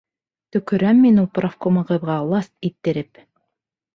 Төкөрәм мин ул профкомығыҙға ласт иттереп!